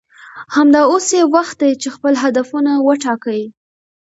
همدا اوس یې وخت دی چې خپل هدفونه وټاکئ